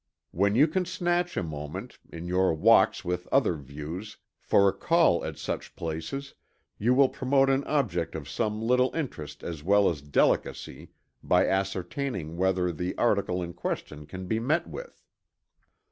When you can snatch a moment, in your walks with other views, for a call at such places, you will promote an object of some little interest as well as delicacy by ascertaining whether the article in question can be met with."